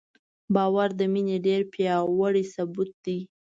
باور د مینې ډېر پیاوړی ثبوت دی.